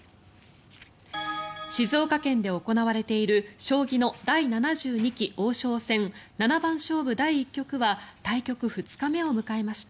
静岡県で行われている将棋の第７２期王将戦七番勝負第１局は対局２日目を迎えました。